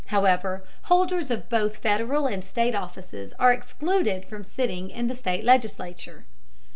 However, holders of both Federal and state offices are excluded from sitting in the state legislature.